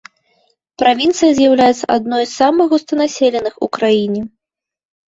Правінцыя з'яўляецца адной з самых густанаселеных ў краіне.